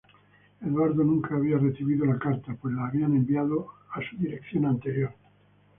Eduardo nunca había recibido la carta, pues la habían enviado a su dirección anterior.